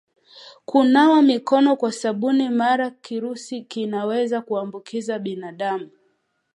Kunawa mikono kwa sabuni maana virusi wanaweza kuambukiza binadamu